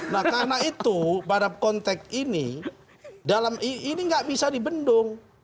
nah karena itu pada konteks ini ini nggak bisa dibendung